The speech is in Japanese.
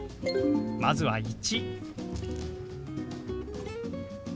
まずは１。